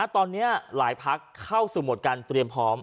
ตอนนี้หลายพักเข้าสู่โหมดการเตรียมพร้อม